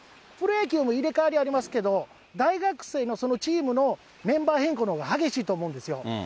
プロ野球も入れ代わりありますけど、大学生のそのチームのメンバー変更のほうが激しいと思うんですよ。